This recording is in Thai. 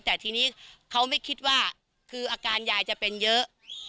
แต่ทีนี้เขาไม่คิดว่าคืออาการยายจะเป็นเยอะ